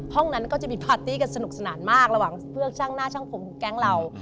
ห้องนั้นก็จะมีพาร์ตี้กันสนุกสนานมากระหว่างพวกช่างหน้าช่างผมแก๊งเรา